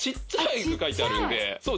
そう。